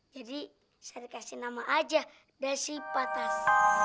jadi sari kasih nama aja dasi patas